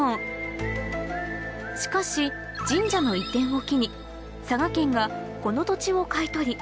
しかし神社の移転を機に佐賀県がこの土地を買い取り